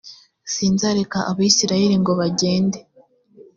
sinzareka abisirayeli ngo bagende